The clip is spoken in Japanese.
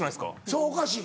それおかしい。